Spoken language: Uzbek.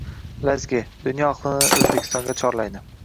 Lazgi – dunyo ahlini Oʻzbekistonga chorlaydi